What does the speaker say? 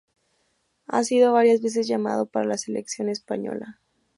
Ha sido varias veces llamado para la Selección Española.